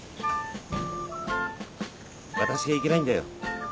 私がいけないんだよ。